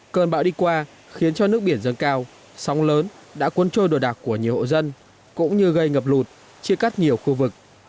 cơn bão đi qua khiến cho nước biển dâng cao sóng lớn đã cuốn trôi đồ đạc của nhiều hộ dân cũng như gây ngập lụt chia cắt nhiều khu vực